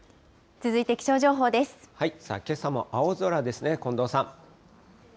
けさも青空ですね、近藤さん。